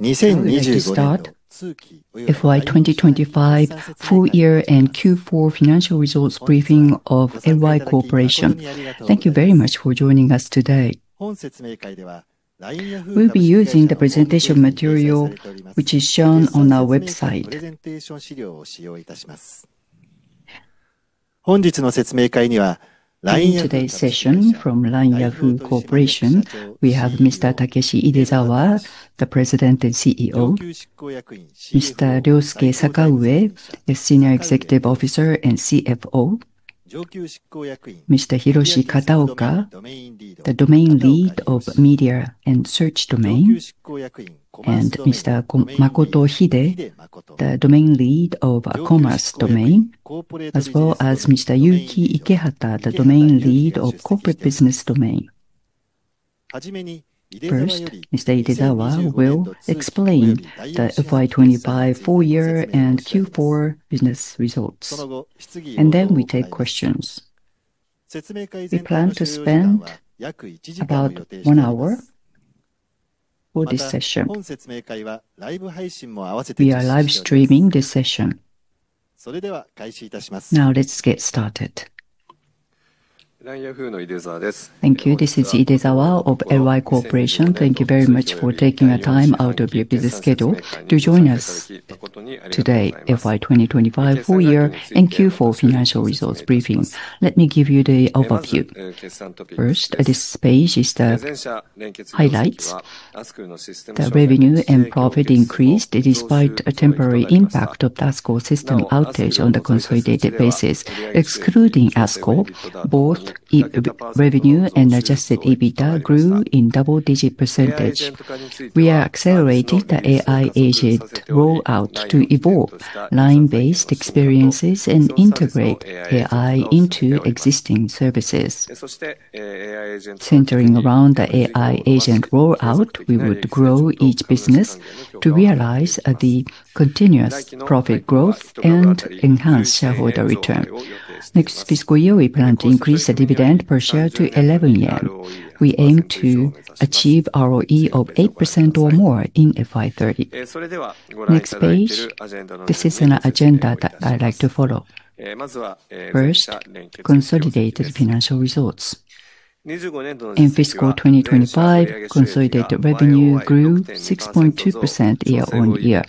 We are ready to start FY 2025 full year and Q4 financial results briefing of LY Corporation. Thank you very much for joining us today. We'll be using the presentation material which is shown on our website. In today's session from LY Corporation, we have Mr. Takeshi Idezawa, the President and CEO. Mr. Ryosuke Sakaue, a Senior Executive Officer and CFO. Mr. Hiroshi Kataoka, the Media Search Domain Lead. Mr. Makoto Hide, the Commerce Domain Lead, as well as Mr. Yuki Ikehata, the Corporate Business Domain Lead. First, Mr. Idezawa will explain the FY 2025 full year and Q4 business results, then we take questions. We plan to spend about one hour for this session. We are live streaming this session. Let's get started. Thank you. This is Idezawa of LY Corporation. Thank you very much for taking the time out of your busy schedule to join us today, FY 2025 full year and Q4 financial results briefing. Let me give you the overview. First, this page is the highlights. The revenue and profit increased despite a temporary impact of the ASKUL system outage on the consolidated basis. Excluding ASKUL, both e-revenue and adjusted EBITDA grew in double-digit percentage. We accelerated the AI agent rollout to evolve LINE-based experiences and integrate AI into existing services. Centering around the AI agent rollout, we would grow each business to realize the continuous profit growth and enhance shareholder return. Next fiscal year, we plan to increase the dividend per share to 11 yen. We aim to achieve ROE of 8% or more in FY 2030. Next page. This is an agenda that I'd like to follow. First, consolidated financial results. In FY 2025, consolidated revenue grew 6.2% year-on-year.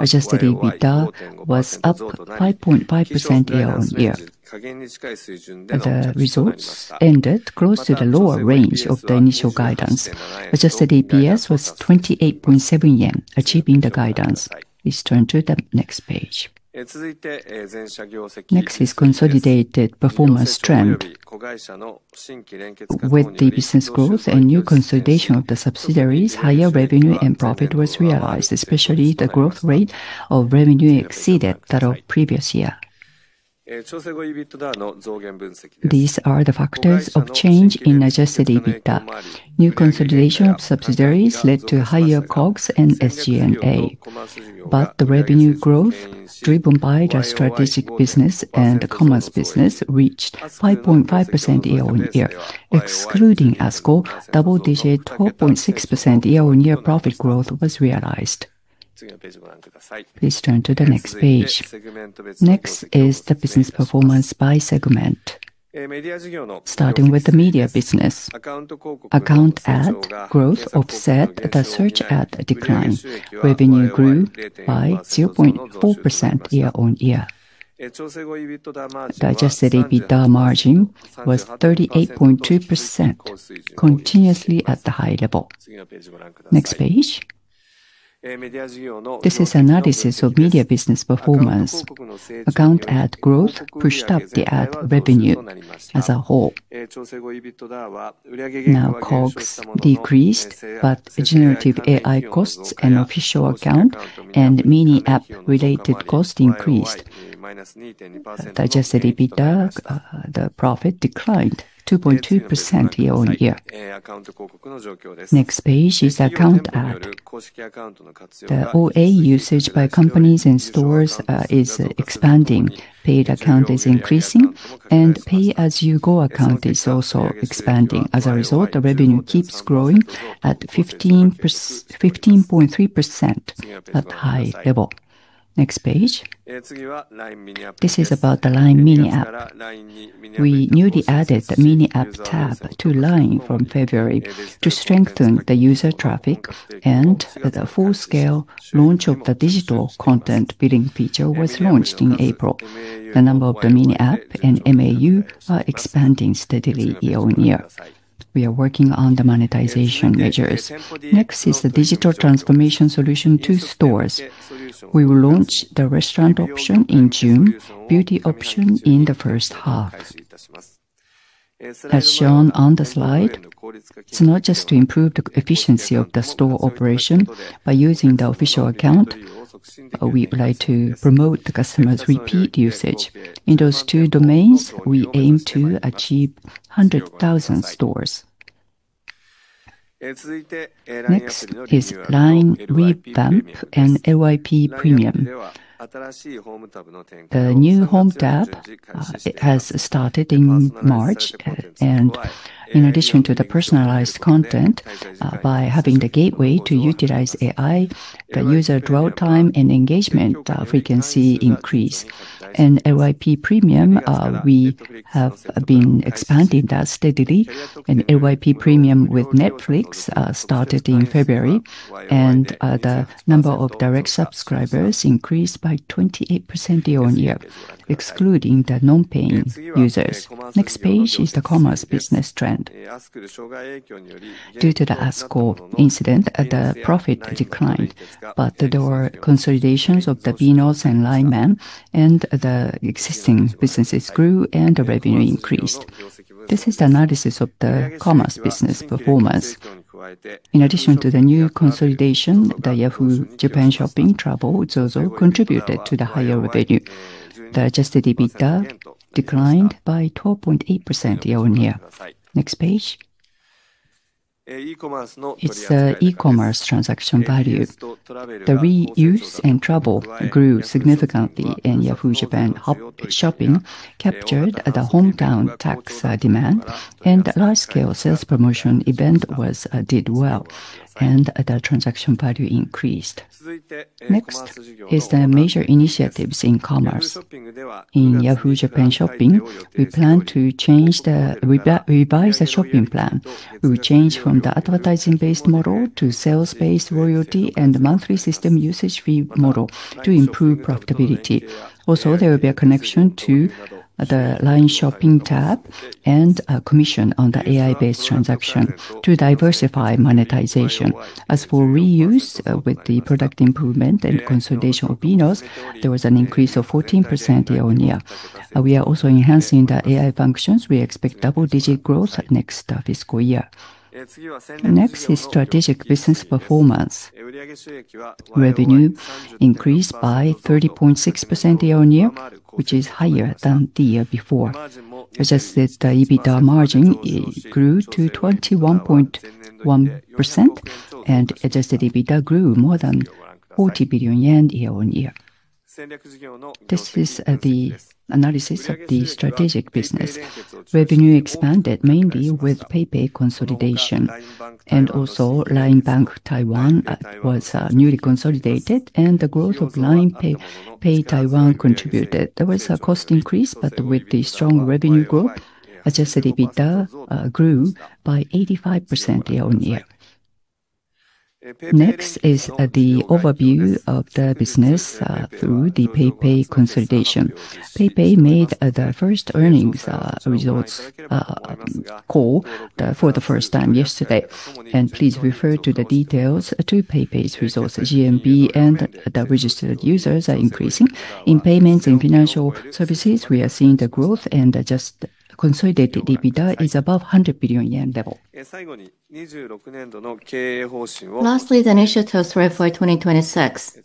Adjusted EBITDA was up 5.5% year-on-year. The results ended close to the lower range of the initial guidance. Adjusted EPS was 28.7 yen, achieving the guidance. Please turn to the next page. Next is consolidated performance trend. With the business growth and new consolidation of the subsidiaries, higher revenue and profit was realized, especially the growth rate of revenue exceeded that of previous year. These are the factors of change in adjusted EBITDA. New consolidation of subsidiaries led to higher COGS and SG&A. The revenue growth driven by the strategic business and the commerce business reached 5.5% year-on-year. Excluding ASKUL, double digit 12.6% year-on-year profit growth was realized. Please turn to the next page. Next is the business performance by segment. Starting with the media business. Account ad growth offset the search ad decline. Revenue grew by 0.4% year-on-year. The adjusted EBITDA margin was 38.2%, continuously at the high level. Next page. This is analysis of media business performance. Account ad growth pushed up the ad revenue as a whole. COGS decreased, but generative AI costs and Official Account and LINE MINI app-related cost increased. Adjusted EBITDA, the profit declined 2.2% year-on-year. Next page is account ad. The OA usage by companies and stores is expanding. Paid account is increasing and pay-as-you-go account is also expanding. As a result, the revenue keeps growing at 15.3% at high level. Next page. This is about the LINE MINI app. We newly added the MINI app tab to LINE from February to strengthen the user traffic and the full-scale launch of the digital content billing feature was launched in April. The number of the MINI app and MAU are expanding steadily year-on-year. We are working on the monetization measures. Next is the digital transformation solution to stores. We will launch the restaurant option in June, beauty option in the first half. As shown on the slide, it's not just to improve the efficiency of the store operation by using the official account. We would like to promote the customer's repeat usage. In those two domains, we aim to achieve 100,000 stores. Next is LINE revamp and LYP Premium. The new home tab, it has started in March. In addition to the personalized content, by having the gateway to utilize AI, the user dwell time and engagement frequency increased. LYP Premium, we have been expanding that steadily, and LYP Premium with Netflix started in February, and the number of direct subscribers increased by 28% year-on-year, excluding the non-paying users. Next page is the commerce business trend. Due to the ASKUL incident, the profit declined, but there were consolidations of the BEENOS and LINE MAN, and the existing businesses grew and the revenue increased. This is the analysis of the commerce business performance. In addition to the new consolidation, the Yahoo! JAPAN Shopping travel also contributed to the higher revenue. The adjusted EBITDA declined by 12.8% year-on-year. Next page. It's e-commerce transaction value. The reuse and travel grew significantly. Yahoo! JAPAN Shopping captured the hometown tax demand. Large-scale sales promotion event did well, and the transaction value increased. Next is the major initiatives in commerce. In Yahoo! JAPAN Shopping, we plan to revise the shopping plan. We will change from the advertising-based model to sales-based royalty and monthly system usage fee model to improve profitability. Also, there will be a connection to the LINE SHOPPING tab and a commission on the AI-based transaction to diversify monetization. As for reuse, with the product improvement and consolidation of BEENOS, there was an increase of 14% year-on-year. We are also enhancing the AI functions. We expect double-digit growth next fiscal year. Next is strategic business performance. Revenue increased by 30.6% year-on-year, which is higher than the year before. Adjusted EBITDA margin grew to 21.1%. Adjusted EBITDA grew more than 40 billion yen year-on-year. This is the analysis of the strategic business. Revenue expanded mainly with PayPay consolidation. LINE Bank Taiwan was newly consolidated, and the growth of LINE Pay Taiwan contributed. There was a cost increase. With the strong revenue growth, adjusted EBITDA grew by 85% year-on-year. Next is the overview of the business through the PayPay consolidation. PayPay made their first earnings results call for the first time yesterday. Please refer to the details to PayPay's resources. GMV and the registered users are increasing. In payments and financial services, we are seeing the growth. Adjusted consolidated EBITDA is above 100 billion yen level. Lastly, the initiatives for FY 2026.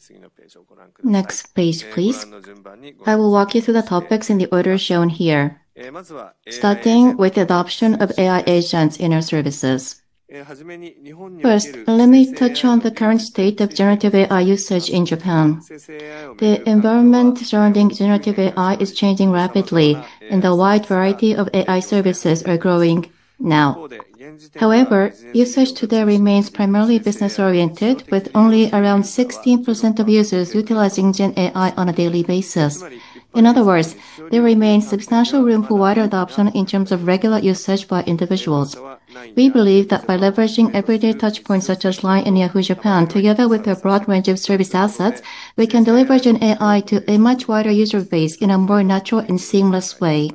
Next page, please. I will walk you through the topics in the order shown here, starting with adoption of AI agents in our services. First, let me touch on the current state of generative AI usage in Japan. The environment surrounding generative AI is changing rapidly, and a wide variety of AI services are growing now. However, usage today remains primarily business-oriented, with only around 16% of users utilizing gen AI on a daily basis. In other words, there remains substantial room for wider adoption in terms of regular usage by individuals. We believe that by leveraging everyday touchpoints such as LINE and Yahoo! JAPAN, together with a broad range of service assets, we can deliver gen AI to a much wider user base in a more natural and seamless way.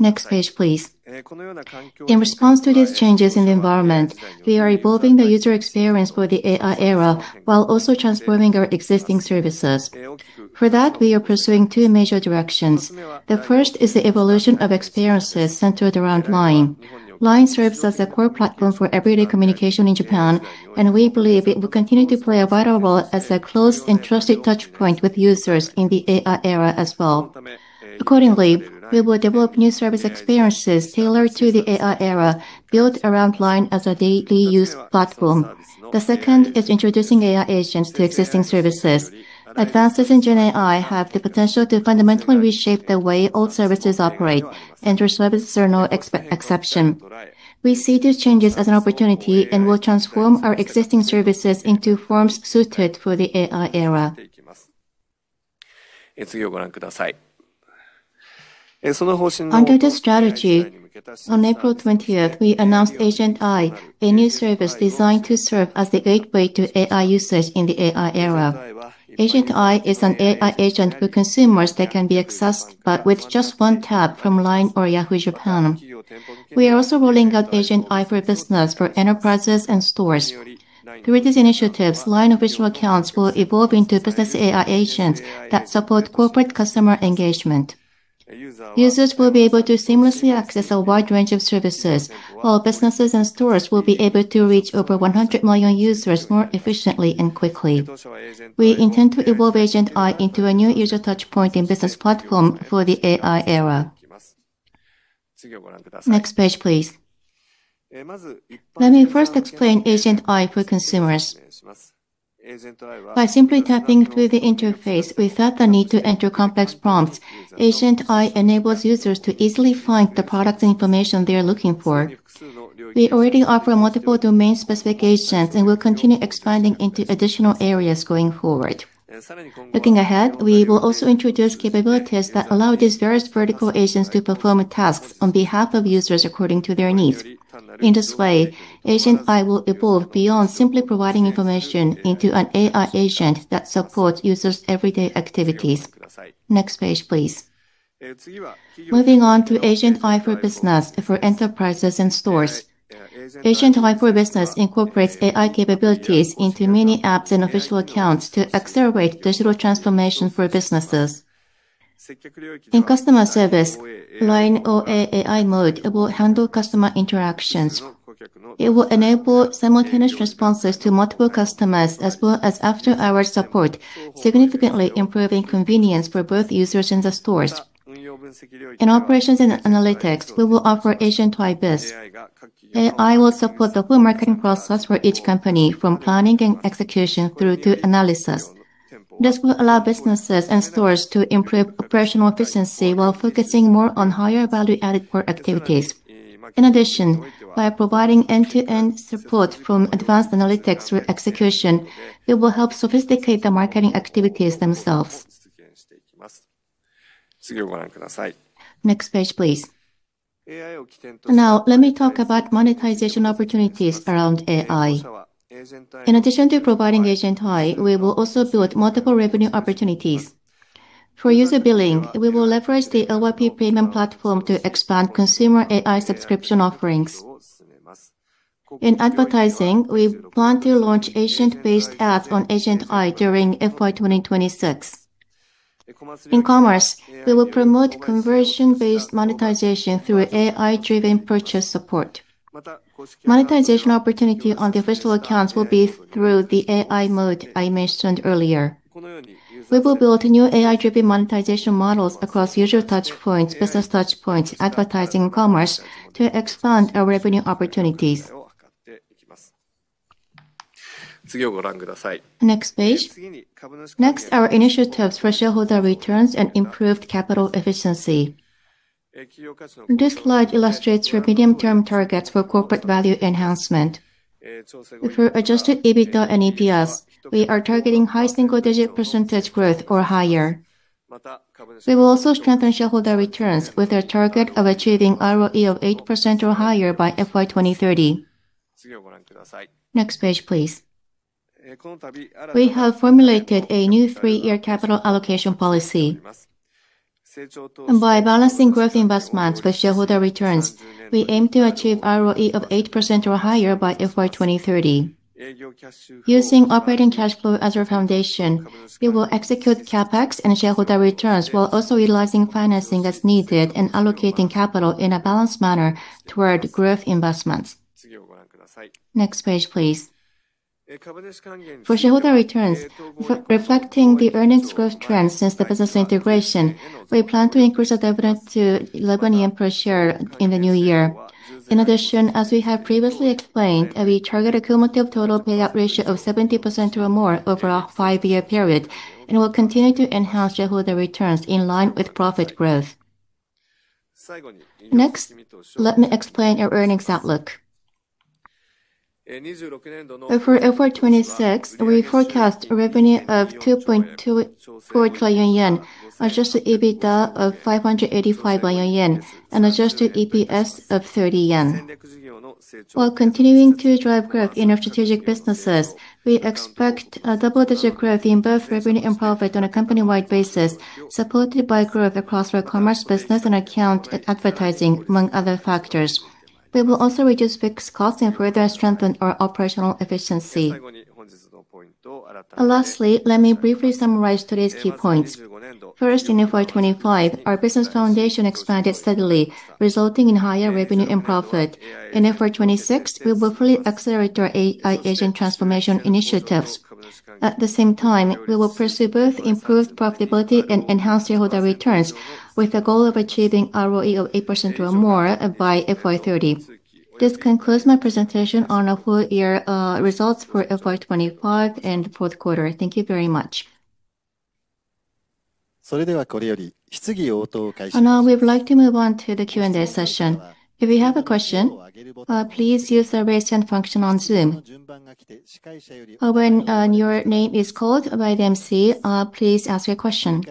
Next page, please. In response to these changes in the environment, we are evolving the user experience for the AI era while also transforming our existing services. For that, we are pursuing two major directions. The first is the evolution of experiences centered around LINE. LINE serves as a core platform for everyday communication in Japan, and we believe it will continue to play a vital role as a close and trusted touchpoint with users in the AI era as well. Accordingly, we will develop new service experiences tailored to the AI era built around LINE as a daily used platform. The second is introducing AI agents to existing services. Advances in gen AI have the potential to fundamentally reshape the way all services operate, and these services are no exception. We see these changes as an opportunity and will transform our existing services into forms suited for the AI era. Under this strategy, on April 20th, we announced Agent i, a new service designed to serve as the gateway to AI usage in the AI era. Agent i is an AI agent for consumers that can be accessed with just one tap from LINE or Yahoo! JAPAN. We are also rolling out Agent i for Business for enterprises and stores. Through these initiatives, LINE Official Accounts will evolve into business AI agents that support corporate customer engagement. Users will be able to seamlessly access a wide range of services, while businesses and stores will be able to reach over 100 million users more efficiently and quickly. We intend to evolve Agent i into a new user touchpoint and business platform for the AI era. Next page, please. Let me first explain Agent i for consumers. By simply tapping through the interface without the need to enter complex prompts, Agent i enables users to easily find the product information they're looking for. We already offer multiple domain specifications and will continue expanding into additional areas going forward. Looking ahead, we will also introduce capabilities that allow these various vertical agents to perform tasks on behalf of users according to their needs. In this way, Agent i will evolve beyond simply providing information into an an AI agent that supports users' everyday activities. Next page, please. Moving on to Agent i for Business for enterprises and stores. Agent i for Business incorporates AI capabilities into many apps and official accounts to accelerate digital transformation for businesses. In customer service, LINE OA AI Mode will handle customer interactions. It will enable simultaneous responses to multiple customers as well as after-hours support, significantly improving convenience for both users and the stores. In operations and analytics, we will offer Agent i Biz. AI will support the full marketing process for each company, from planning and execution through to analysis. This will allow businesses and stores to improve operational efficiency while focusing more on higher value-added core activities. In addition, by providing end-to-end support from advanced analytics through execution, it will help sophisticate the marketing activities themselves. Next page, please. Now let me talk about monetization opportunities around AI. In addition to providing Agent i, we will also build multiple revenue opportunities. For user billing, we will leverage the LYP payment platform to expand consumer AI subscription offerings. In advertising, we plan to launch agent-based ads on Agent i during FY 2026. In commerce, we will promote conversion-based monetization through AI-driven purchase support. Monetization opportunity on the official accounts will be through the AI mode I mentioned earlier. We will build new AI-driven monetization models across user touchpoints, business touchpoints, advertising and commerce to expand our revenue opportunities. Next page. Our initiatives for shareholder returns and improved capital efficiency. This slide illustrates our medium-term targets for corporate value enhancement. For adjusted EBITDA and EPS, we are targeting high single-digit percentage growth or higher. We will also strengthen shareholder returns with a target of achieving ROE of 8% or higher by FY 2030. Next page, please. We have formulated a new three-year capital allocation policy. By balancing growth investments with shareholder returns, we aim to achieve ROE of 8% or higher by FY 2030. Using operating cash flow as our foundation, we will execute CapEx and shareholder returns while also utilizing financing that's needed and allocating capital in a balanced manner toward growth investments. Next page, please. For shareholder returns, re-reflecting the earnings growth trend since the business integration, we plan to increase our dividend to 11 yen per share in the new year. As we have previously explained, we target a cumulative total payout ratio of 70% or more over a five-year period and will continue to enhance shareholder returns in line with profit growth. Let me explain our earnings outlook. For FY 2026, we forecast revenue of 2.24 trillion yen, adjusted EBITDA of 585 billion yen, and adjusted EPS of 30 yen. While continuing to drive growth in our strategic businesses, we expect double-digit growth in both revenue and profit on a company-wide basis, supported by growth across our commerce business and account advertising, among other factors. We will also reduce fixed costs and further strengthen our operational efficiency. Lastly, let me briefly summarize today's key points. First, in FY 2025, our business foundation expanded steadily, resulting in higher revenue and profit. In FY 2026, we will fully accelerate our AI agent transformation initiatives. We will pursue both improved profitability and enhanced shareholder returns, with the goal of achieving ROE of 8% or more by FY 2030. This concludes my presentation on our full year results for FY 2025 and fourth quarter. Thank you very much. Now we would like to move on to the Q&A session. If you have a question, please use the Raise Hand function on Zoom. When your name is called by the MC, please ask your question.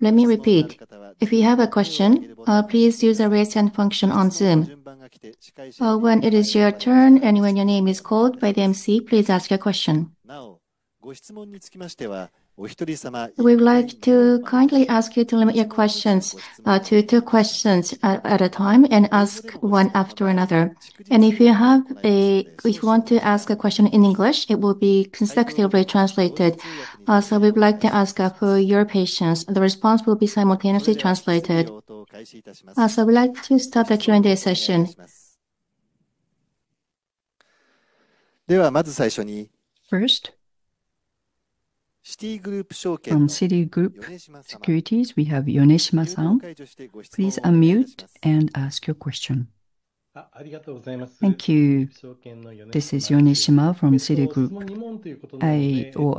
Let me repeat. If you have a question, please use the Raise Hand function on Zoom. When it is your turn and when your name is called by the MC, please ask your question. We would like to kindly ask you to limit your questions to two questions at a time and ask one after another. If you want to ask a question in English, it will be consecutively translated. We would like to ask for your patience. The response will be simultaneously translated. We'd like to start the Q&A session. First, from Citigroup Securities, we have Yoneshima-san. Please unmute and ask your question. Thank you. This is Yoneshima from Citigroup.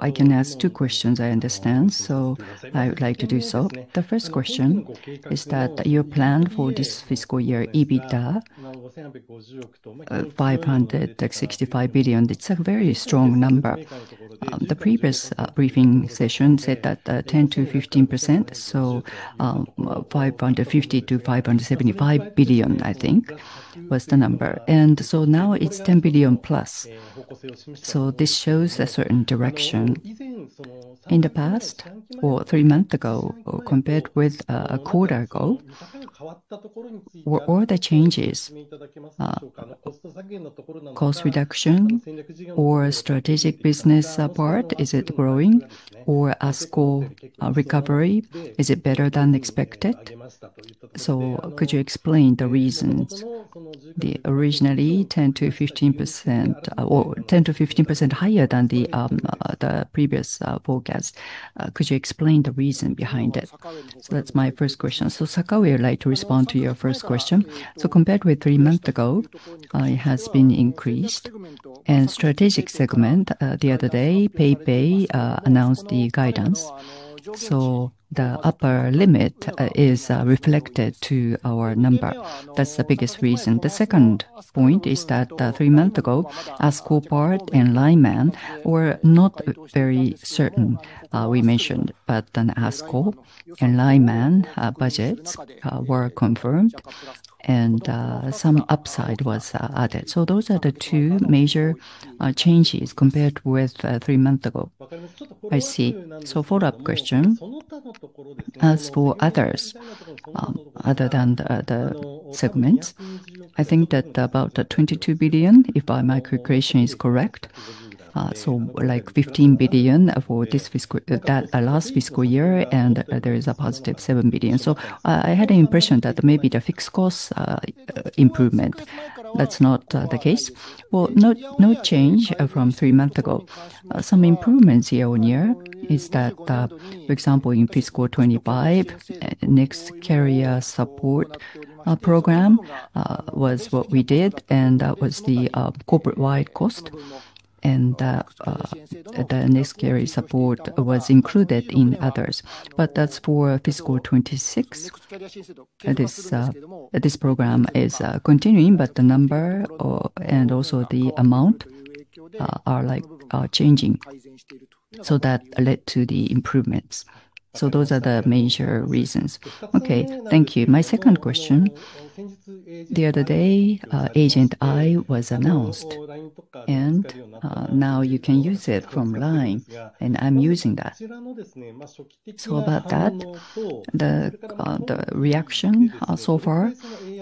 I can ask two questions, I understand, so I would like to do so. The first question is that your plan for this fiscal year, EBITDA, 565 billion. It's a very strong number. The previous briefing session said that 10%-15%, so 550 billion-575 billion, I think was the number. Now it's 10 billion plus. This shows a certain direction. In the past or three month ago or compared with a quarter ago, what are the changes? Cost reduction or strategic business part, is it growing or ASKUL recovery, is it better than expected? Could you explain the reasons the originally 10%-15% higher than the previous forecast. Could you explain the reason behind it? That's my first question. Ryosuke Sakaue, would you like to respond to your first question. Compared with three months ago, it has been increased. Strategic segment, the other day, PayPay announced the guidance, the upper limit is reflected to our number. That's the biggest reason. The second point is that three months ago, ASKUL part and LINE MAN were not very certain, we mentioned. ASKUL and LINE MAN budgets were confirmed and some upside was added. Those are the two major changes compared with three months ago. I see. Follow-up question. As for others, other than the other segments, I think that about 22 billion, if my calculation is correct. So like 15 billion for this fiscal, that last fiscal year, and there is a positive 7 billion. I had an impression that maybe the fixed cost improvement. That is not the case? Well, no change from three months ago. Some improvements year-on-year is that, for example, in fiscal 2025, Next Carrier Support program was what we did, and that was the corporate-wide cost. The Next Carrier Support was included in others. That is for fiscal 2026. This program is continuing, but the number and also the amount are changing. That led to the improvements. Those are the major reasons. Okay. Thank you. My second question. The other day, Agent i was announced and now you can use it from LINE, and I am using that. About that, the reaction so far,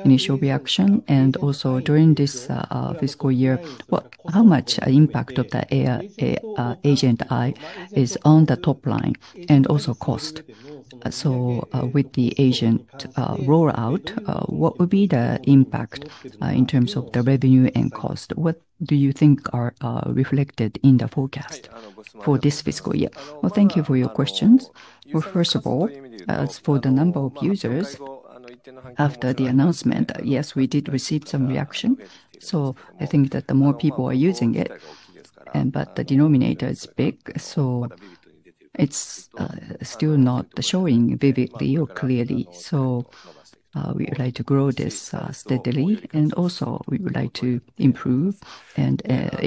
initial reaction, and also during this fiscal year, how much impact of the AI Agent i is on the top line and also cost? With the Agent rollout, what would be the impact in terms of the revenue and cost? What do you think are reflected in the forecast for this fiscal year? Well, thank you for your questions. Well, first of all, as for the number of users after the announcement, yes, we did receive some reaction, so I think that the more people are using it and but the denominator is big, so it's still not showing vividly or clearly. We would like to grow this steadily, we would like to improve and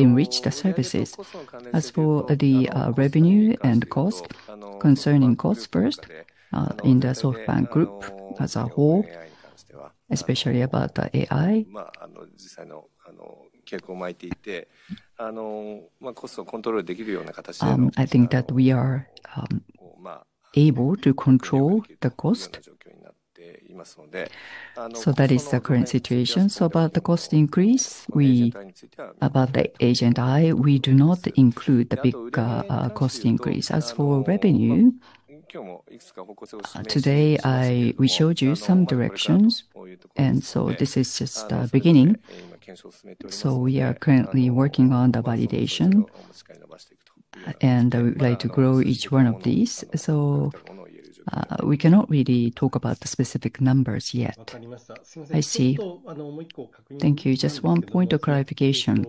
enrich the services. As for the revenue and cost, concerning cost first, in the SoftBank Group as a whole, especially about the AI, I think that we are able to control the cost. That is the current situation. About the cost increase, about the Agent i, we do not include the big cost increase. As for revenue, today, we showed you some directions, this is just the beginning. We are currently working on the validation, I would like to grow each one of these. We cannot really talk about the specific numbers yet. I see. Thank you. Just one point of clarification.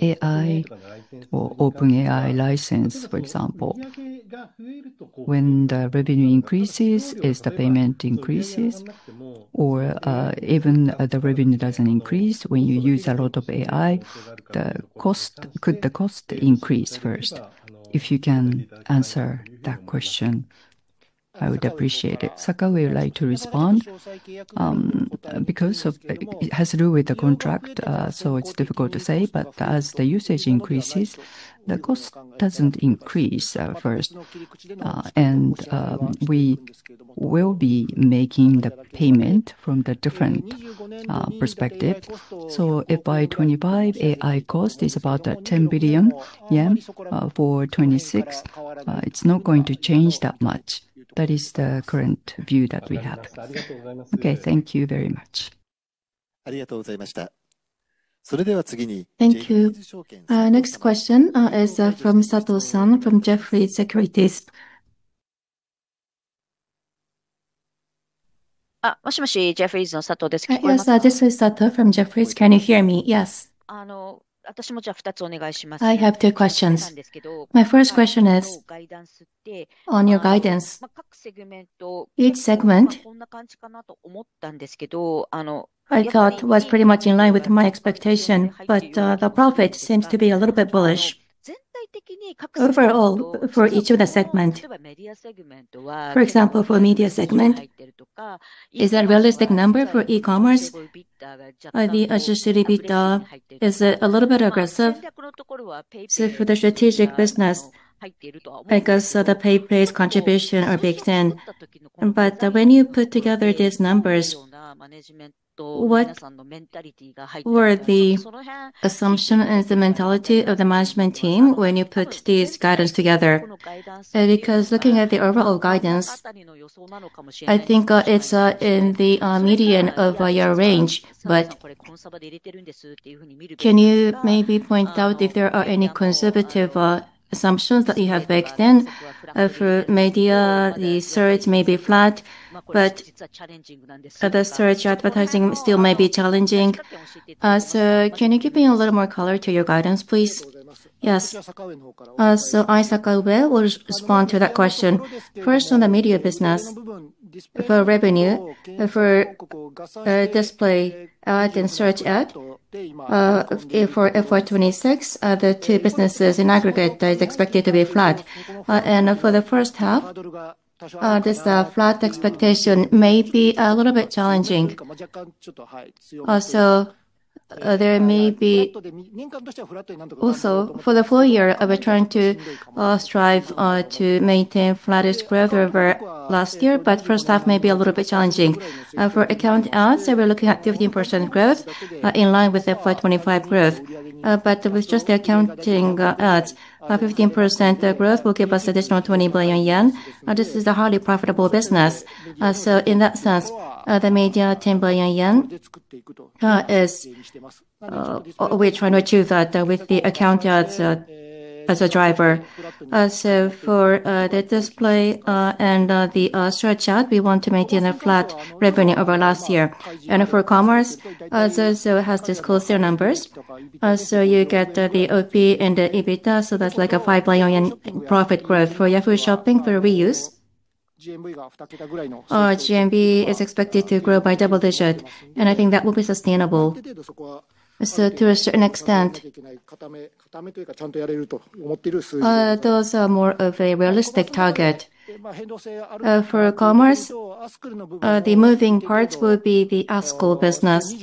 AI or OpenAI license, for example. When the revenue increases, is the payment increases? Even the revenue doesn't increase when you use a lot of AI, could the cost increase first? If you can answer that question, I would appreciate it. Sakaue, would you like to respond? It has to do with the contract, it's difficult to say. As the usage increases, the cost doesn't increase at first. We will be making the payment from the different perspective. If by 2025 AI cost is about 10 billion yen, for 2026, it's not going to change that much. That is the current view that we have. Okay. Thank you very much. Thank you. Next question is from Sato-san from Jefferies Securities. Jefferies, Sato. Yes, this is Sato from Jefferies. Can you hear me? Yes. I have two questions. My first question is on your guidance. Each segment I thought was pretty much in line with my expectation, but the profit seems to be a little bit bullish. Overall for each of the segment. For example, for media segment, is that a realistic number for e-commerce? The adjusted EBITDA, is it a little bit aggressive? For the strategic business, I guess, the PayPay's contribution are baked in. When you put together these numbers, what were the assumption and the mentality of the management team when you put these guidance together? Looking at the overall guidance, I think it's in the median of your range. Can you maybe point out if there are any conservative assumptions that you have baked in? For media, the search may be flat, but the search advertising still may be challenging. Can you give me a little more color to your guidance, please? Yes. I, Sakaue, will respond to that question. First, on the media business, for revenue, for display ad and search ad, for FY 2026, the two businesses in aggregate is expected to be flat. For the first half, this flat expectation may be a little bit challenging. Also, for the full year, we're trying to strive to maintain flattish growth over last year, but first half may be a little bit challenging. For account ads, we're looking at 15% growth in line with the FY 2025 growth. With just the accounting ads, 15% growth will give us additional 20 billion yen. This is a highly profitable business. In that sense, the media, 10 billion yen, is we're trying to achieve that with the account ads as a driver. For the display and the search ad, we want to maintain a flat revenue over last year. For commerce, ZOZOTOWN has disclosed their numbers. You get the OP and the EBITDA, so that's like a 5 billion profit growth. For Yahoo! Shopping, for reuse, GMV is expected to grow by double-digit, and I think that will be sustainable. To a certain extent, those are more of a realistic target. For commerce, the moving parts will be the ASKUL business.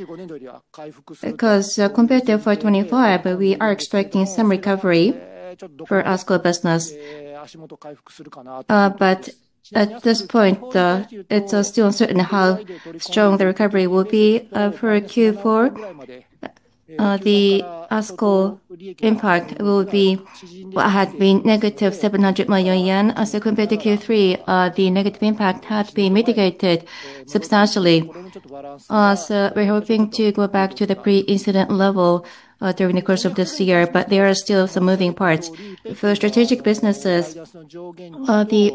Because, compared to FY 2025, we are expecting some recovery for ASKUL business. But at this point, it's still uncertain how strong the recovery will be for Q4. The ASKUL impact will be what had been negative 700 million yen. As compared to Q3, the negative impact has been mitigated substantially. We're hoping to go back to the pre-incident level during the course of this year, but there are still some moving parts. For strategic businesses,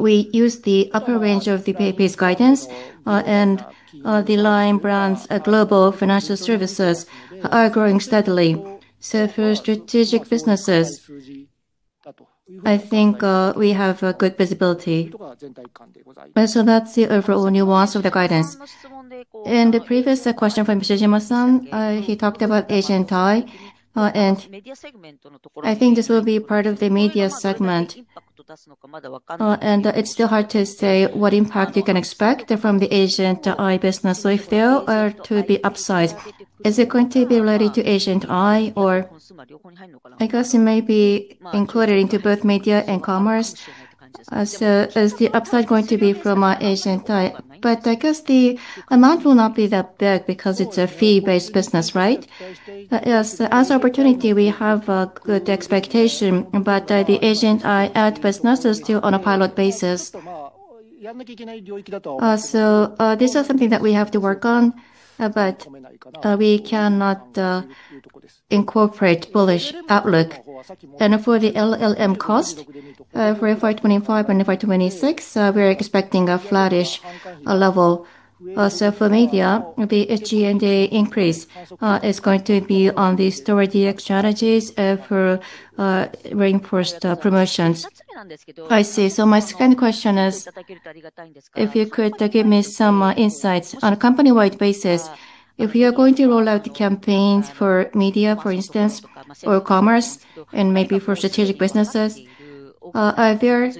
we use the upper range of the PayPay's guidance, and the LINE brands at Global Financial Services are growing steadily. For strategic businesses, I think, we have a good visibility. That's the overall nuance of the guidance. In the previous question from Yoneshima-san, he talked about Agent i. I think this will be part of the Media segment. It's still hard to say what impact you can expect from the Agent i business. If there are to be upsides, is it going to be related to Agent i, or I guess it may be included into both Media and Commerce. Is the upside going to be from Agent i? I guess the amount will not be that big because it's a fee-based business, right? Yes. As opportunity, we have a good expectation, but the Agent i advertisement is still on a pilot basis. This is something that we have to work on, but we cannot incorporate bullish outlook. For the LLM cost, for FY 2025 and FY 2026, we're expecting a flattish level. For media, the gen AI and the increase is going to be on the store DX strategies for reinforced promotions. I see. My second question is, if you could give me some insights. On a company-wide basis, if you are going to roll out campaigns for media, for instance, or commerce, and maybe for strategic businesses, are there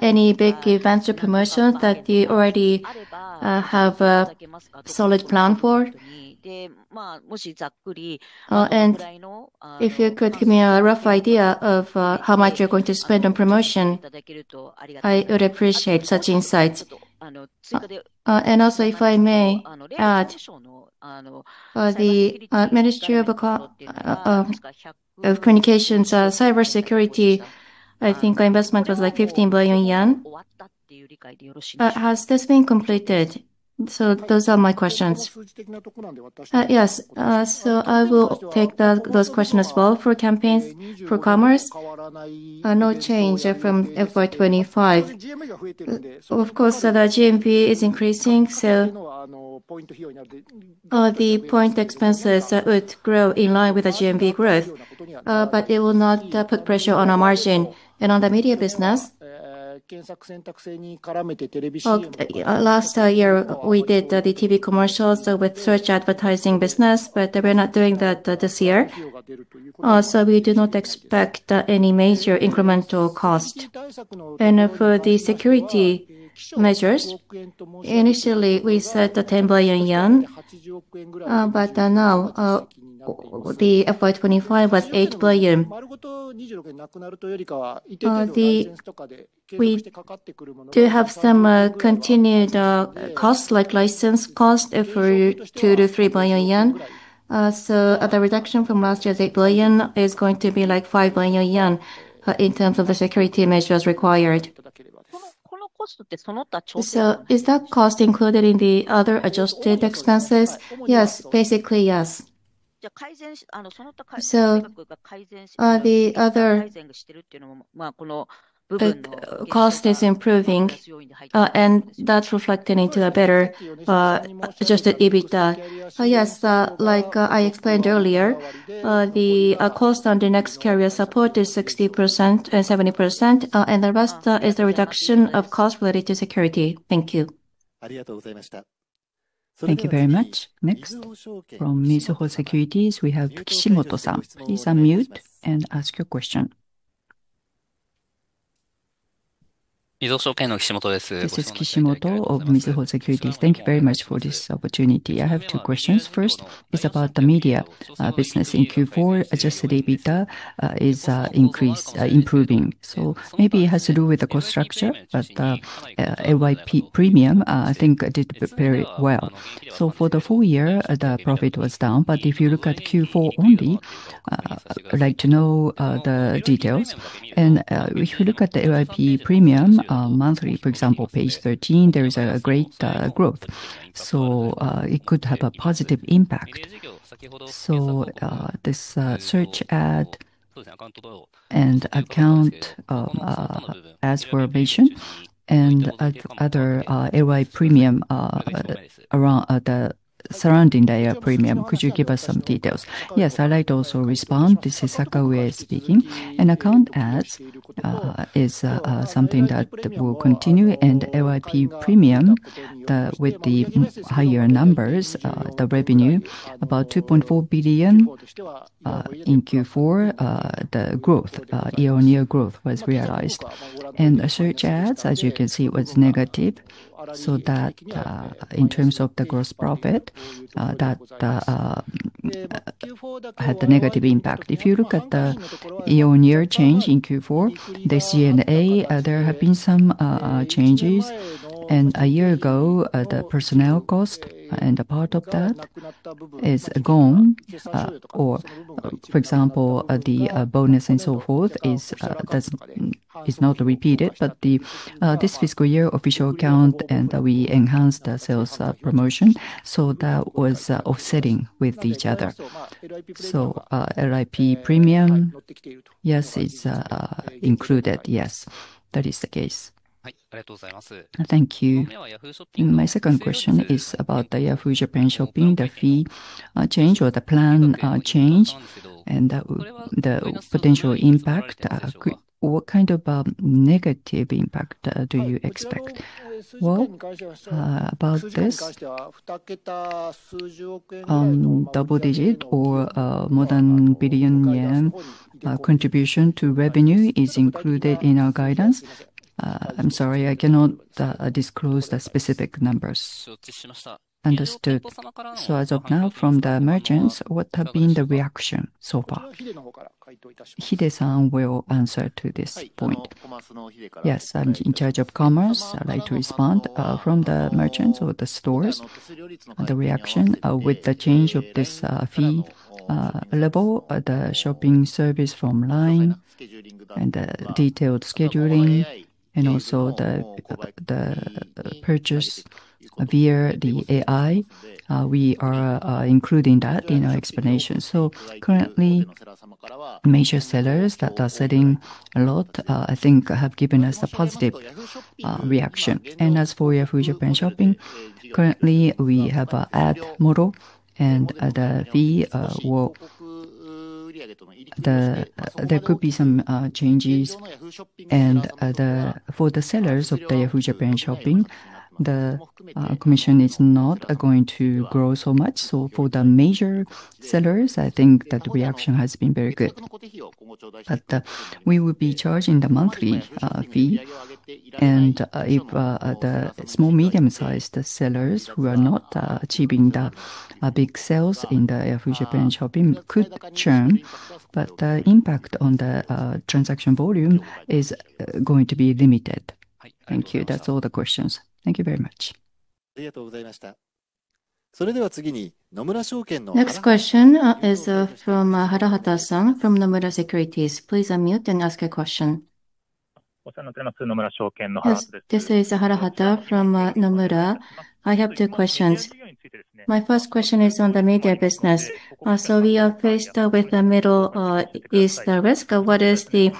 any big events or promotions that you already have a solid plan for? If you could give me a rough idea of how much you're going to spend on promotion, I would appreciate such insights. If I may add, the Ministry of Communications cybersecurity, I think our investment was like 15 billion yen. Has this been completed? Those are my questions. Yes. I will take those question as well. For campaigns, for commerce, no change from FY 2025. Of course, the GMV is increasing, so the point expenses would grow in line with the GMV growth. It will not put pressure on our margin. On the media business, last year we did the TV commercials, so with search advertising business, but we're not doing that this year. We do not expect any major incremental cost. For the security measures, initially we set at 10 billion yen. Now the FY 2025 was 8 billion. We do have some continued costs, like license cost for 2 billion-3 billion yen. The reduction from last year's 8 billion is going to be like 5 billion yen in terms of the security measures required. Is that cost included in the other adjusted expenses? Yes. Basically, yes. The other cost is improving, and that's reflecting into a better adjusted EBITDA. Yes, like, I explained earlier, the cost on the next carrier support is 60%, 70%, and the rest is the reduction of cost related to security. Thank you. Thank you very much. Next, from Mizuho Securities, we have Kishimoto. Please unmute and ask your question. This is Kishimoto of Mizuho Securities. Thank you very much for this opportunity. I have two questions. First is about the media business. In Q4, adjusted EBITDA is increased improving. Maybe it has to do with the cost structure, but LYP Premium I think did very well. For the full year, the profit was down, but if you look at Q4 only, I'd like to know the details. If you look at the LYP Premium monthly, for example, page 13, there is a great growth. It could have a positive impact. This search ad and account, as for vision and other LYP Premium, the surrounding data premium. Could you give us some details? Yes. I'd like to also respond. This is Sakaue speaking. Account ads is something that will continue. LYP Premium, with the higher numbers, the revenue about 2.4 billion in Q4, the year-on-year growth was realized. The search ads, as you can see, was negative. That, in terms of the gross profit, that had a negative impact. If you look at the year-on-year change in Q4 this year and A, there have been some changes. A year ago, the personnel cost and a part of that is gone. For example, the bonus and so forth is not repeated. This fiscal year Official Account and we enhanced the sales promotion, so that was offsetting with each other. LYP Premium, yes, it's included. Yes, that is the case. Thank you. My second question is about the Yahoo! JAPAN Shopping, the fee, change or the plan, change and the potential impact. What kind of, negative impact, do you expect? Well, about this, double-digit or, more than 1 billion yen, contribution to revenue is included in our guidance. I'm sorry, I cannot disclose the specific numbers. Understood. As of now, from the merchants, what have been the reaction so far? Hide-san will answer to this point. Yes, I'm in charge of commerce. I'd like to respond. From the merchants or the stores, the reaction with the change of this fee level, the shopping service from LINE and detailed scheduling and also the purchase via the AI, we are including that in our explanation. Currently, major sellers that are selling a lot, I think have given us a positive reaction. As for Yahoo! JAPAN Shopping, currently we have a ad model and the fee, there could be some changes. For the sellers of the Yahoo! JAPAN Shopping, the commission is not going to grow so much. For the major sellers, I think the reaction has been very good. We will be charging the monthly fee and if the small, medium-sized sellers who are not achieving the big sales in the Yahoo! JAPAN Shopping could churn, but the impact on the transaction volume is going to be limited. Thank you. That's all the questions. Thank you very much. Thank you. Next question is from Harahata-san from Nomura Securities. Please unmute and ask your question. Yes, this is Harahata from Nomura. I have two questions. My first question is on the media business. We are faced with the Middle East risk. What is the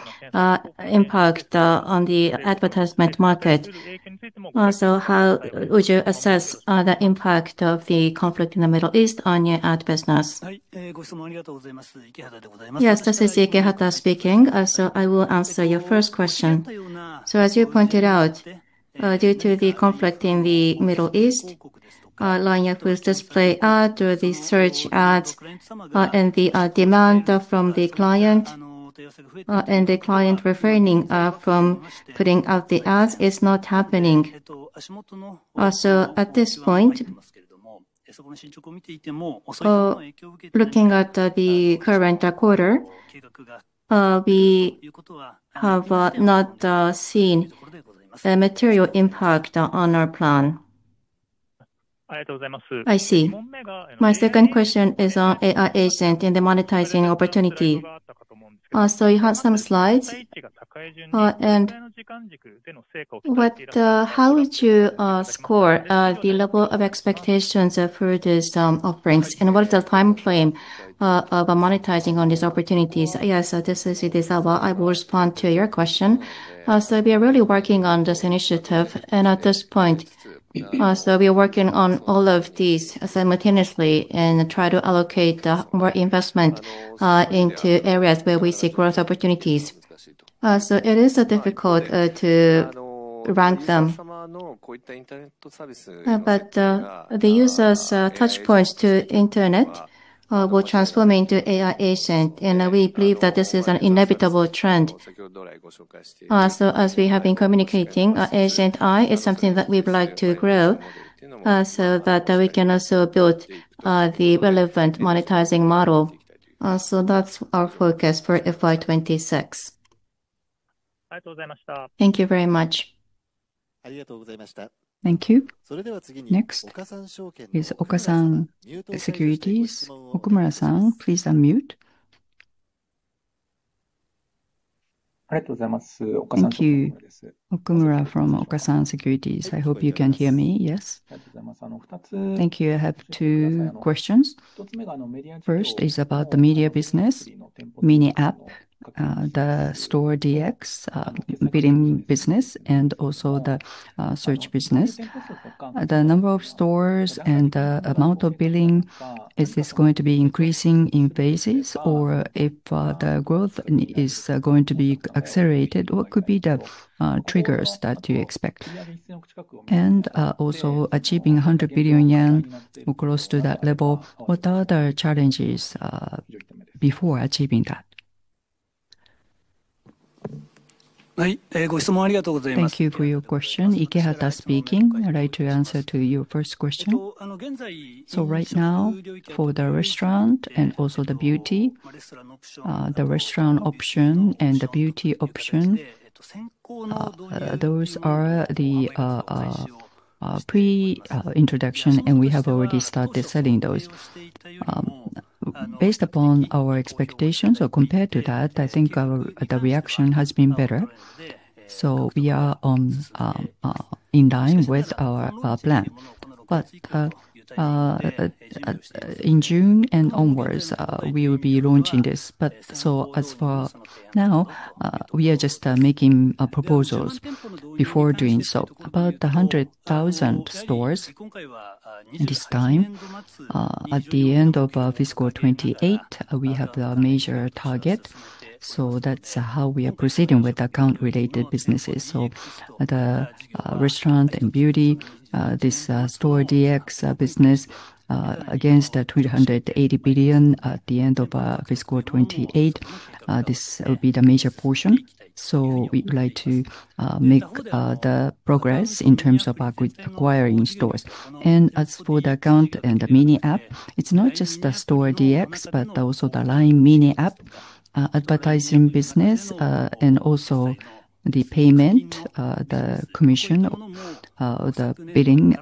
impact on the advertisement market? How would you assess the impact of the conflict in the Middle East on your ad business? Yes, this is Ikehata speaking. I will answer your first question. As you pointed out, due to the conflict in the Middle East, LINE Ads will display ad or the search ads, and the demand from the client, and the client refraining from putting out the ads is not happening. Also, at this point, looking at the current quarter, we have not seen a material impact on our plan. I see. My second question is on AI agent and the monetizing opportunity. You have some slides. How would you score the level of expectations for this offerings? What is the timeframe of monetizing on these opportunities? Yes. This is Idezawa. I will respond to your question. We are really working on this initiative, and at this point, we are working on all of these simultaneously and try to allocate more investment into areas where we see growth opportunities. It is difficult to rank them. The users' touch points to internet will transform into AI agent, and we believe that this is an inevitable trend. As we have been communicating, Agent i is something that we would like to grow so that we can also build the relevant monetizing model. That's our focus for FY 2026. Thank you very much. Thank you. Next is Okasan Securities. Okumura-san, please unmute. Thank you. Okumura from Okasan Securities. I hope you can hear me. Yes? Thank you. I have two questions. First is about the media business, MINI app, the store DX, billing business, and also the search business. The number of stores and amount of billing, is this going to be increasing in phases? Or if the growth is going to be accelerated, what could be the triggers that you expect? Also achieving 100 billion yen or close to that level, what are the challenges before achieving that? Thank you for your question. Ikehata speaking. I'd like to answer your first question. Right now, for the restaurant and also the beauty, the restaurant option and the beauty option, those are the pre-introduction, and we have already started selling those. Based upon our expectations or compared to that, I think the reaction has been better. We are in line with our plan. In June and onwards, we will be launching this. As for now, we are just making proposals before doing so. About 100,000 stores this time. At the end of FY 2028, we have the major target. That's how we are proceeding with account related businesses. The restaurant and beauty, this store DX business, against the 380 billion at the end of FY 2028, this will be the major portion. We'd like to make the progress in terms of acquiring stores. As for the account and the MINI app, it's not just the store DX, but also the LINE MINI app advertising business, and also the payment, the commission, or the billing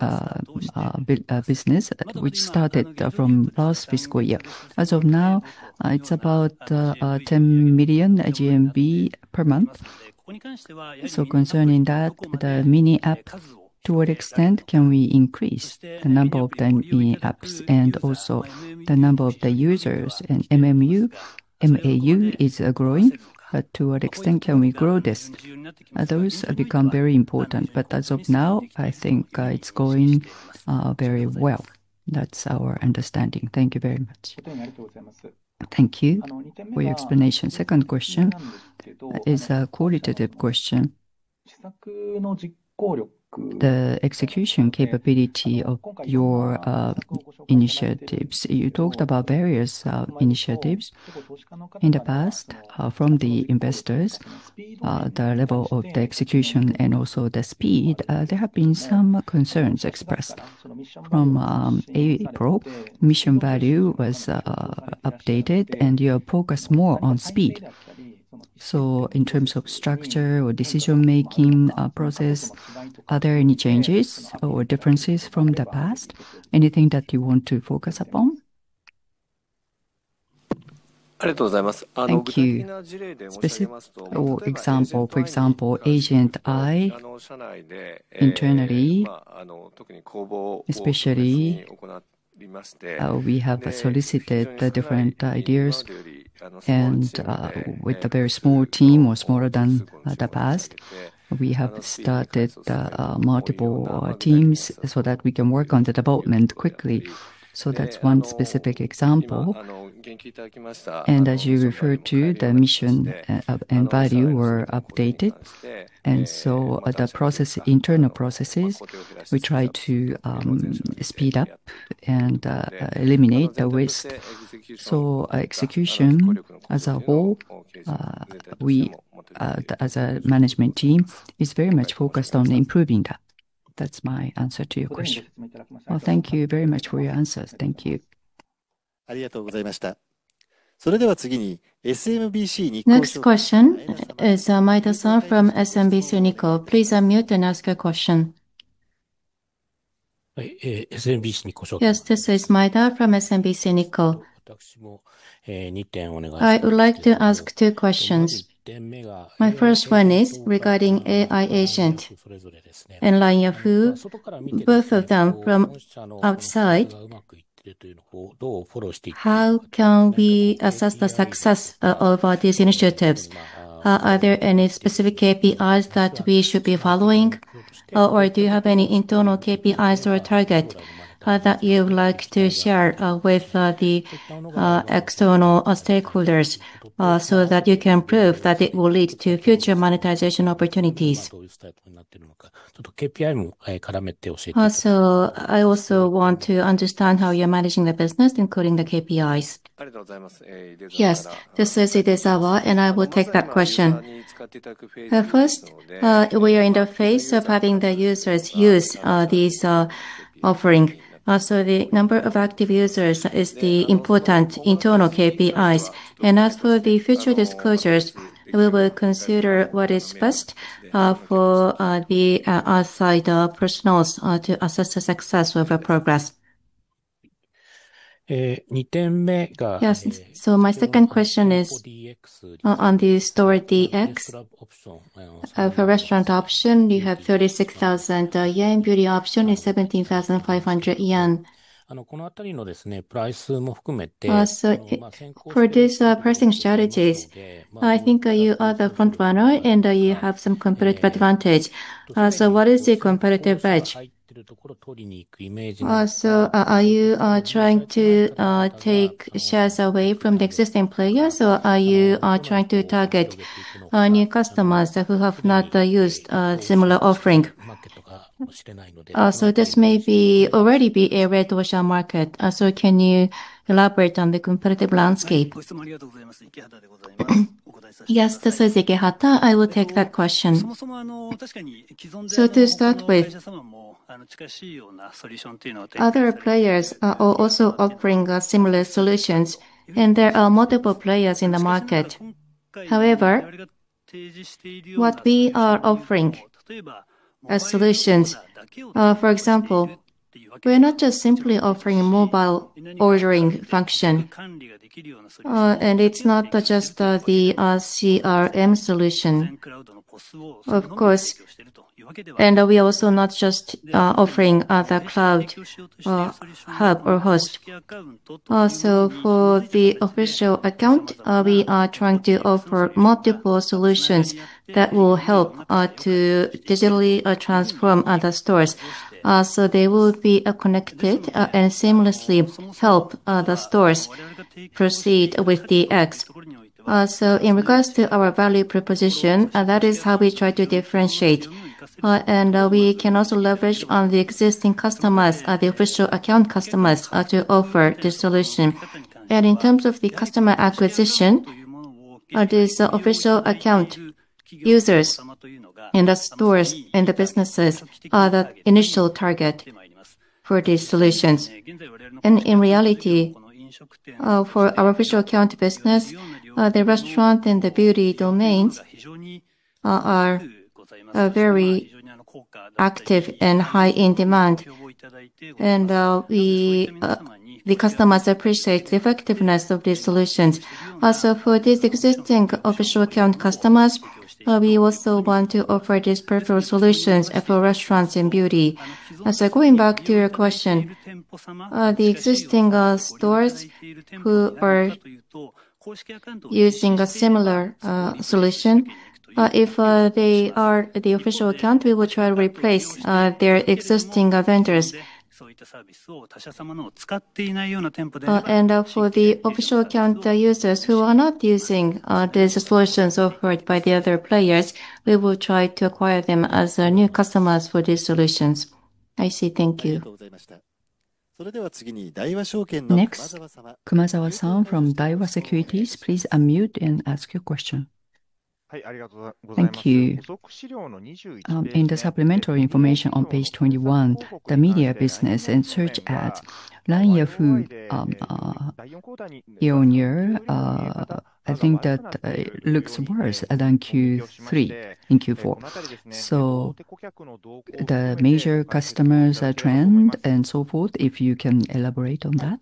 bill business, which started from last fiscal year. As of now, it's about 10 million GMV per month. Concerning that, the MINI app, to what extent can we increase the number of the MINI apps and also the number of the users? MAU is growing, but to what extent can we grow this? Those have become very important. As of now, I think, it's going very well. That's our understanding. Thank you very much. Thank you for your explanation. Second question is a qualitative question. The execution capability of your initiatives. You talked about various initiatives in the past from the investors. The level of the execution and also the speed, there have been some concerns expressed. From April, mission value was updated, and you have focused more on speed. In terms of structure or decision-making process, are there any changes or differences from the past? Anything that you want to focus upon? Thank you. Specific or example, for example, Agent i, internally, especially, we have solicited the different ideas and with a very small team or smaller than the past, we have started multiple teams so that we can work on the development quickly. That's one specific example. As you referred to, the mission and value were updated. The process, internal processes, we try to speed up and eliminate the waste. Execution as a whole, we as a management team is very much focused on improving that. That's my answer to your question. Well, thank you very much for your answers. Thank you. Next question is, Maeda-san from SMBC Nikko. Please unmute and ask your question. Yes, this is Maeda from SMBC Nikko. I would like to ask two questions. My first one is regarding AI Agent and LINE Yahoo, both of them from outside. How can we assess the success of these initiatives? Are there any specific KPIs that we should be following? Do you have any internal KPIs or target that you would like to share with the external stakeholders so that you can prove that it will lead to future monetization opportunities? I also want to understand how you're managing the business, including the KPIs. Yes, this is Idezawa, and I will take that question. First, we are in the phase of having the users use these offering. The number of active users is the important internal KPIs. As for the future disclosures, we will consider what is best for the outside personnel to assess the success of our progress. Yes. My second question is on the store DX. For restaurant option, you have 36,000 yen. Beauty option is 17,500 yen. For this pricing strategies, I think you are the front runner and you have some competitive advantage. What is the competitive edge? Are you trying to take shares away from the existing players or are you trying to target new customers who have not used similar offering? This may already be a red ocean market. Can you elaborate on the competitive landscape? Yes, this is Ikehata. I will take that question. To start with, other players are also offering similar solutions, and there are multiple players in the market. However, what we are offering as solutions, for example, we are not just simply offering a mobile ordering function. It's not just the CRM solution. Of course. We are also not just offering the cloud or hub or host. Also, for the official account, we are trying to offer multiple solutions that will help to digitally transform other stores. They will be connected and seamlessly help the stores proceed with DX. In regards to our value proposition, that is how we try to differentiate. We can also leverage on the existing customers, the official account customers, to offer the solution. In terms of the customer acquisition, the Official Account users in the stores and the businesses are the initial target for these solutions. In reality, for our Official Account business, the restaurant and the beauty domains are very active and high in demand. We the customers appreciate the effectiveness of these solutions. Also, for these existing Official Account customers, we also want to offer these peripheral solutions for restaurants and beauty. Going back to your question, the existing stores who are using a similar solution, if they are the Official Account, we will try to replace their existing vendors. For the official account users who are not using these solutions offered by the other players, we will try to acquire them as new customers for these solutions. I see. Thank you. Next, Kumazawa-san from Daiwa Securities, please unmute and ask your question. Thank you. In the supplementary information on page 21, the media business and search ads, LINE Yahoo, year-over-year, I think that looks worse than Q3 and Q4. The major customers trend and so forth, if you can elaborate on that.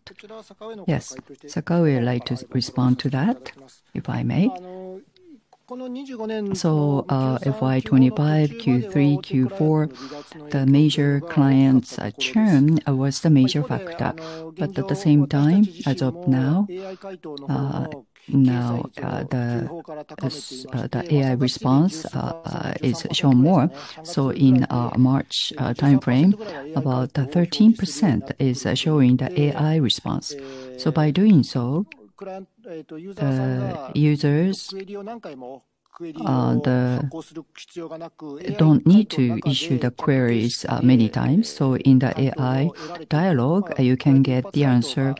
Yes. Sakaue would like to respond to that, if I may. FY 2025, Q3, Q4, the major clients churn was the major factor. At the same time, as of now, the AI response is showing more. In March timeframe, about 13% is showing the AI response. By doing so, the users don't need to issue the queries many times. In the AI dialogue, you can get the answer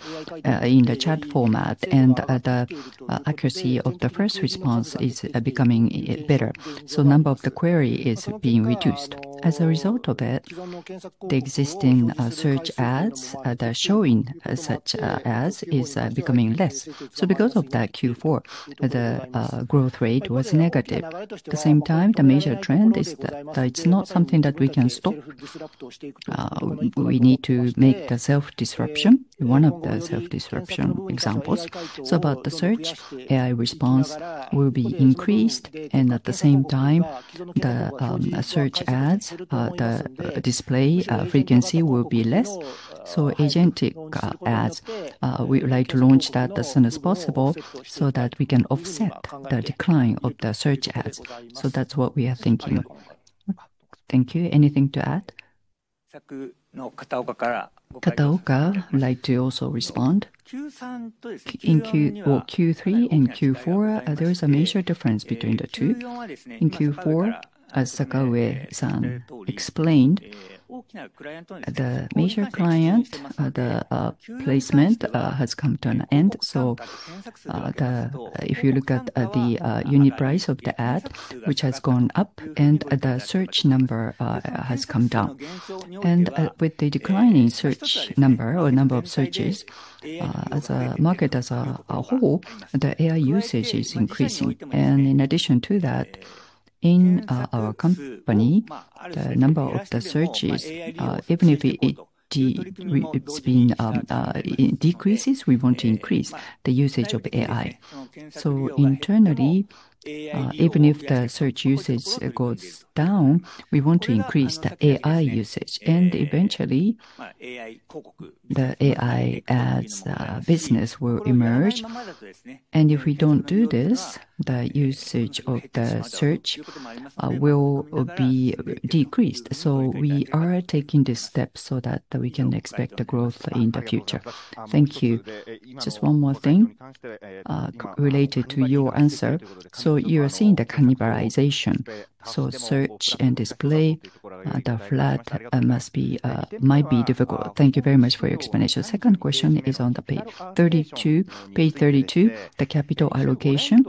in the chat format. The accuracy of the first response is becoming better. Number of the query is being reduced. As a result of it, the existing search ads, they're showing as such, as is, becoming less. Because of that, Q4, the growth rate was negative. At the same time, the major trend is that it's not something that we can stop. We need to make the self-disruption, one of the self-disruption examples. About the search, AI response will be increased and at the same time, the search ads, the display frequency will be less. Agentic ads, we would like to launch that as soon as possible so that we can offset the decline of the search ads. That's what we are thinking. Thank you. Anything to add? Kataoka would like to also respond. In Q3 and Q4, are those a major difference between the two? In Q4, as Sakaue-san explained, the major client, the placement, has come to an end. If you look at the unit price of the ad, which has gone up and the search number has come down. With the declining search number or number of searches, as a market as a whole, the AI usage is increasing. In addition to that, in our company, the number of the searches, even if it decreases, we want to increase the usage of AI. Internally, even if the search usage goes down, we want to increase the AI usage. Eventually, the AI ads business will emerge. If we don't do this, the usage of the search will be decreased. We are taking the steps so that we can expect the growth in the future. Thank you. Just one more thing, related to your answer. You are seeing the cannibalization. Search and display might be difficult. Thank you very much for your explanation. Second question is on page 32. Page 32, the capital allocation.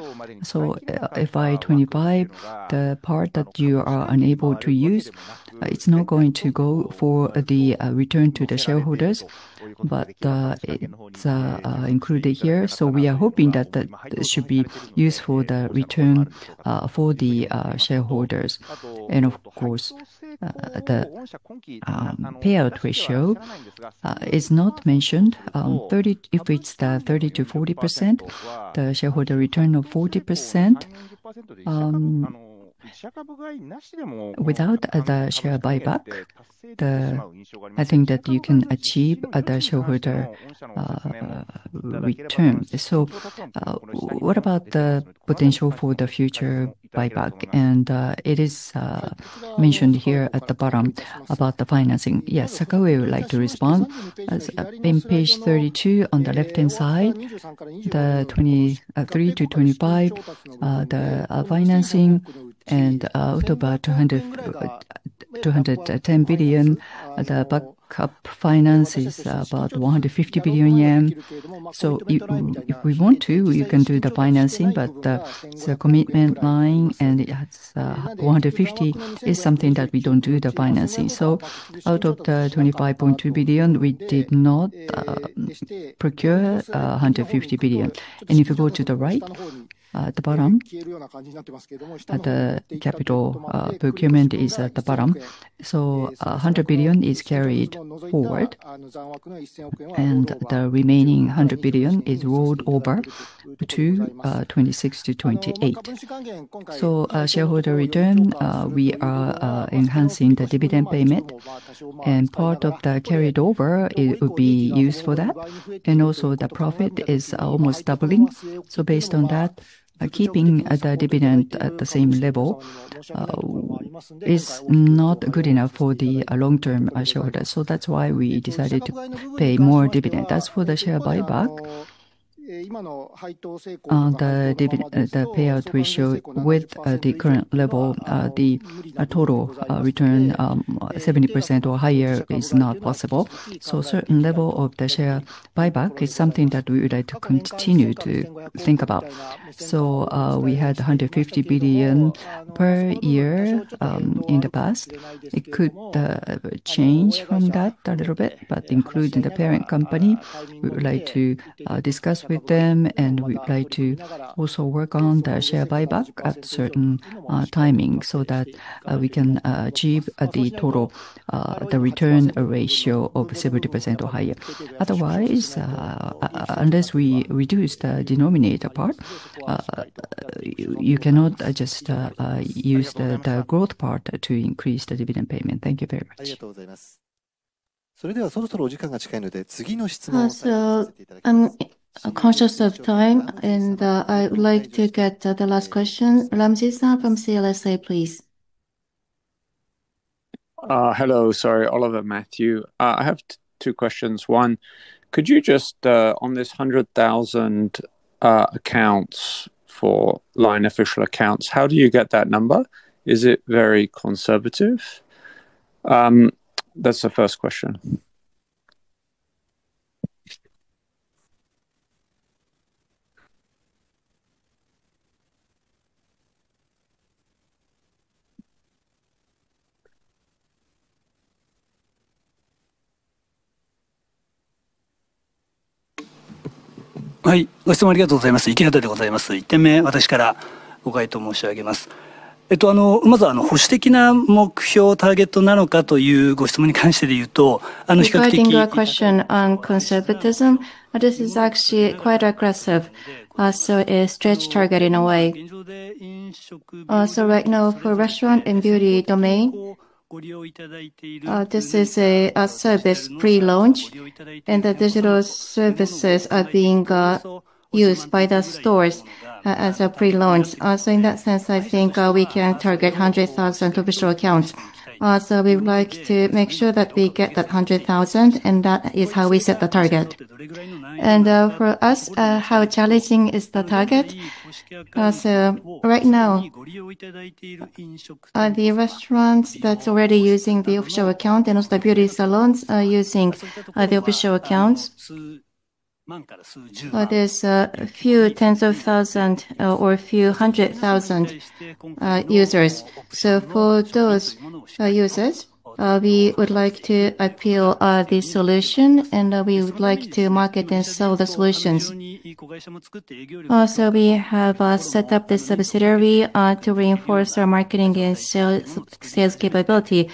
FY 2025, the part that you are unable to use, it's not going to go for the return to the shareholders, but it's included here. We are hoping that should be used for the return for the shareholders. Of course, the payout ratio is not mentioned. If it's the 30%-40%, the shareholder return of 40%, without the share buyback, I think that you can achieve the shareholder return. What about the potential for the future buyback? It is mentioned here at the bottom about the financing. Yes. Sakaue would like to respond. In page 32 on the left-hand side, the 2023-2025, the financing amount about 210 billion. The backup finance is about 150 billion yen. If we want to, we can do the financing, but the commitment line and, yes, 150 is something that we don't do the financing. Out of the 250 billion, we did not procure 150 billion. If you go to the right, the bottom, the capital procurement is at the bottom. 100 billion is carried forward, and the remaining 100 billion is rolled over to 2026-2028. Shareholder return, we are enhancing the dividend payment, and part of the carried over it will be used for that. Also the profit is almost doubling. Based on that, keeping the dividend at the same level is not good enough for the long-term shareholders. That's why we decided to pay more dividend. As for the share buyback. The dividend payout ratio with the current level, the total return, 70% or higher is not possible. Certain level of the share buyback is something that we would like to continue to think about. We had 150 billion per year in the past. It could change from that a little bit, but including the parent company, we would like to discuss with them, and we'd like to also work on the share buyback at certain timing so that we can achieve the total return ratio of 70% or higher. Otherwise, unless we reduce the denominator part, you cannot just use the growth part to increase the dividend payment. Thank you very much. I'm conscious of time, and I would like to get the last question. Ramji-san from CLSA, please. Hello. Sorry, Oliver Matthew. I have two questions. One, could you just, on this 100,000 accounts for LINE Official Accounts, how do you get that number? Is it very conservative? That's the first question. Regarding your question on conservatism, this is actually quite aggressive, a stretch target in a way. Right now for restaurant and beauty domain, this is a service pre-launch, and the digital services are being used by the stores as a pre-launch. Also in that sense, I think, we can target 100,000 official accounts. We would like to make sure that we get that 100,000, and that is how we set the target. For us, how challenging is the target? Right now, the restaurants that's already using the official account and also beauty salons are using the official accounts. There's a few tens of thousand or a few hundred thousand users. For those users, we would like to appeal the solution and we would like to market and sell the solutions. We have set up this subsidiary to reinforce our marketing and sales capability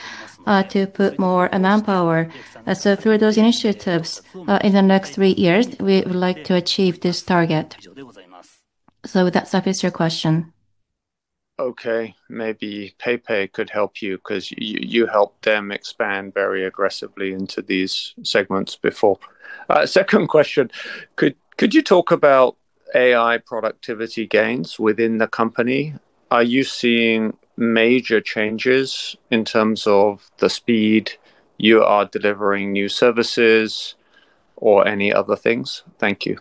to put more manpower. Through those initiatives, in the next three years, we would like to achieve this target. Would that suffice your question? Okay. Maybe PayPay could help you 'cause you helped them expand very aggressively into these segments before. Second question. Could you talk about AI productivity gains within the company? Are you seeing major changes in terms of the speed you are delivering new services or any other things? Thank you.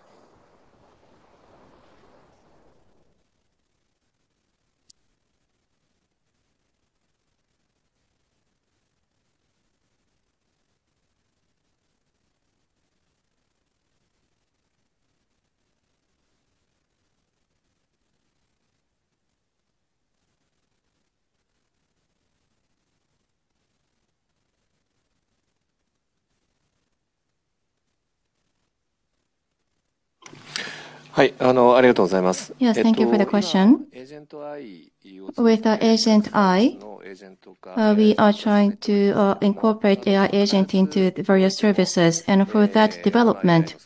Thank you for the question. With our Agent i, we are trying to incorporate AI agent into the various services. For that development,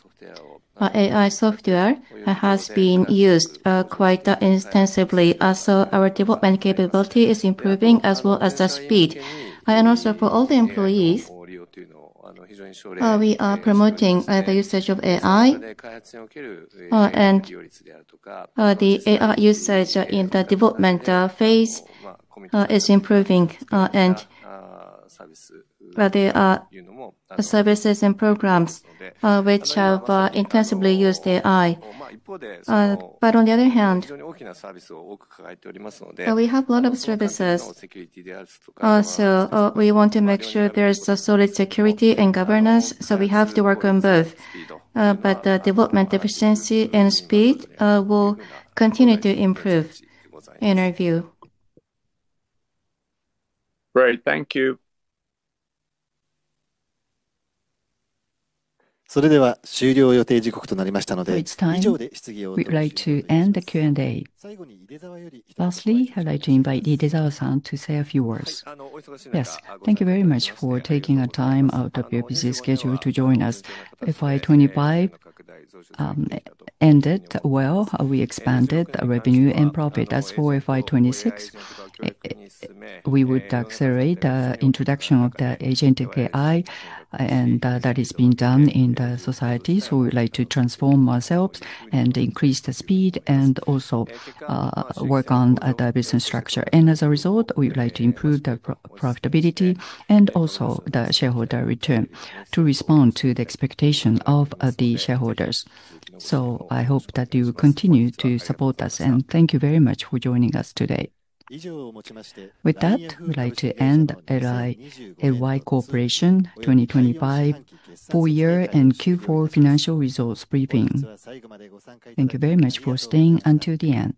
AI software has been used quite intensively. Our development capability is improving as well as the speed. For all the employees, we are promoting the usage of AI. The AI usage in the development phase is improving. Well, there are services and programs which have intensively used AI. On the other hand, we have a lot of services. We want to make sure there is a solid security and governance, we have to work on both. The development efficiency and speed will continue to improve in our view. Great. Thank you. It's time. We'd like to end the Q&A. Lastly, I'd like to invite Idezawa to say a few words. Yes. Thank you very much for taking the time out of your busy schedule to join us. FY 2025 ended well. We expanded our revenue and profit. As for FY 2026, we would accelerate introduction of the Agent i and that is being done in the societies. We would like to transform ourselves and increase the speed and also work on the business structure. As a result, we would like to improve the profitability and also the shareholder return to respond to the expectation of the shareholders. I hope that you will continue to support us, and thank you very much for joining us today. With that, we'd like to end LY Corporation 2025 full year and Q4 financial results briefing. Thank you very much for staying until the end.